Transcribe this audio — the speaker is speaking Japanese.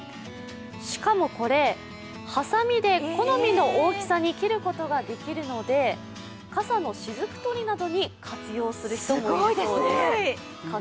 しかもこれ、はさみで好みの大きさに切ることができるので傘のしずく取りなどに活用する人もいるそうです。